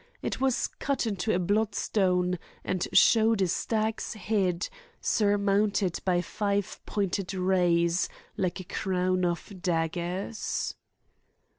It was cut into a bloodstone, and showed a stag's head, surmounted by five pointed rays, like a crown of daggers.